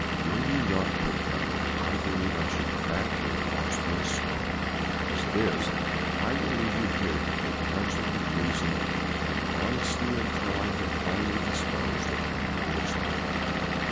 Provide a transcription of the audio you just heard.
"Were you not her brother, I believe I should crack your obstinate skull; as it is ... I will leave you here to take counsel with reason and honesty until I have finally disposed of my Lord of Stoutenburg."